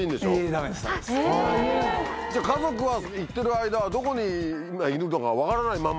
じゃあ家族は行ってる間はどこに今いるとか分からない